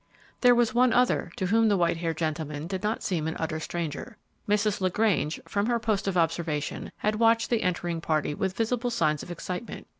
There was one other to whom the white haired gentleman did not seem an utter stranger. Mrs. LaGrange from her post of observation had watched the entering party with visible signs of excitement.